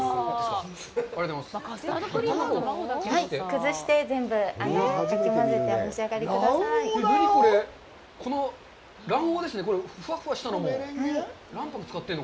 崩して、全部かき混ぜてお召し上がりください。